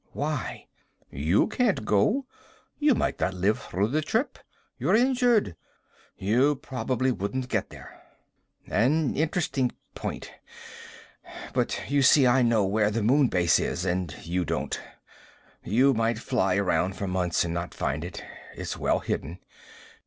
"Why?" "You can't go. You might not live through the trip. You're injured. You probably wouldn't get there." "An interesting point. But you see, I know where the Moon Base is. And you don't. You might fly around for months and not find it. It's well hidden.